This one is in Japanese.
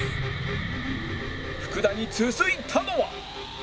福田に続いたのは